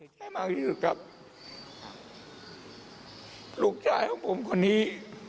ให้มาอยู่กับลูกชายของผมคนนี้